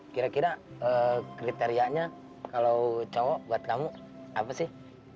kira kira kriterianya kalau cowok buat kamu apa sih